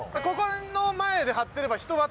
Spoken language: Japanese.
ここの前ではってれば。